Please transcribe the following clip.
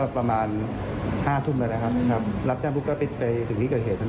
พรุ่งที่เพื่อนกับผู้จัดการได้มาให้นะครับ